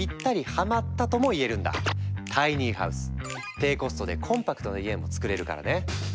低コストでコンパクトな家もつくれるからね！